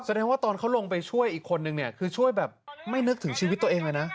แสดงว่าตอนเขาลงไปช่วยอีกคนนึงเนี่ยคือช่วยแบบไม่นึกถึงชีวิตตัวเองเลยนะ